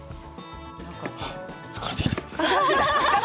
ああ疲れてきた。